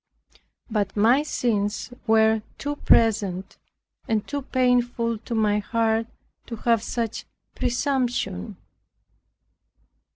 But my sins were too present and too painful to my heart to have such presumption.